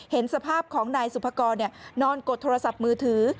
เห็นสภาพของนายสุภกรนอนกดโทรศัพท์มือถือ